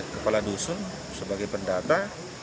kepala dusun sebagai pendata